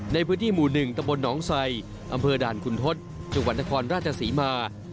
ในพื้นที่หมู่๑ตำบลหนองไซอำเภอด่านคุณทศจังหวัดนครราชศรีมา